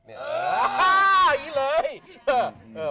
อ่ะอ่าแบบนี้เลย